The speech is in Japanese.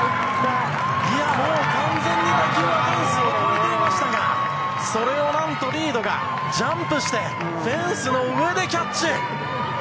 完全に打球はフェンスを越えていましたがそれを何とリードがジャンプしてフェンスの上でキャッチ。